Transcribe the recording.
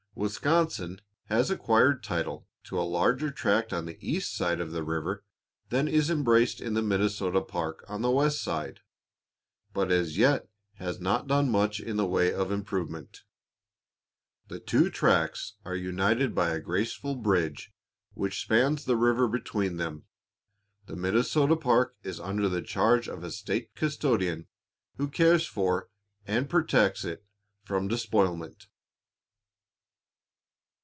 Wisconsin has acquired title to a larger tract on the east side of the river than is embraced in the Minnesota park on the west side, but as yet has not done much in the way of improvement. The two tracts are united by a graceful bridge which spans the river between them. The Minnesota park is under the charge of a state custodian, who cares for and protects it from despoilment.